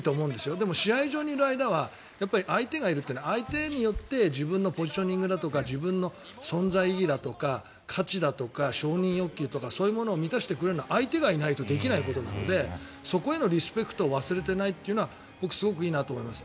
でも、試合場にいる間は相手がいるというのは相手によって自分のポジショニングとか存在意義だとか勝ちだとか承認欲求とかそういうものを満たしてくれるのは相手がいないとできないことなのでそこへのリスペクトを忘れていないというのはすごくいいなと思います。